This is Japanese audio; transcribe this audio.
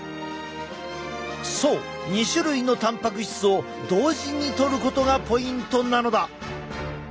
そう２種類のたんぱく質を同時にとることがポイントなのだ！